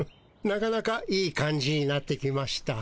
なかなかいい感じになってきました。